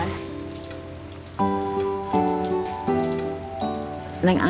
terima kasih mas